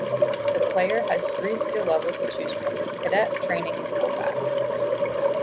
The player has three skill levels to choose from: Cadet, Training, and Combat.